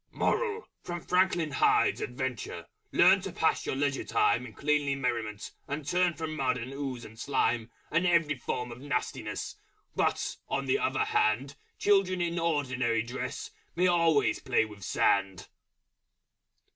MORAL From Franklin Hyde's adventure, learn To pass your Leisure Time In Cleanly Merriment, and turn From Mud and Ooze and Slime And every form of Nastiness But, on the other Hand, Children in ordinary Dress May always play with Sand.